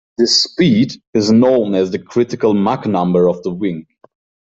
This speed is known as the critical Mach number of the wing.